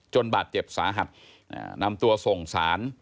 บาดเจ็บสาหัสนำตัวส่งสาร